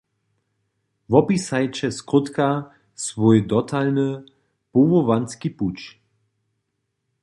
Wopisajće skrótka swój dotalny powołanski puć.